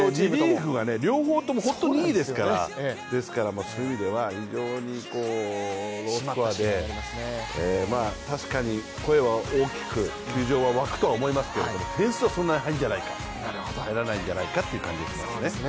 リリーフが両方とも本当にいいですからですから、非常にロースコアで確かに声は大きく球場は沸くと思いますけど点数はそんなに入らないんじゃないかという気がしますね。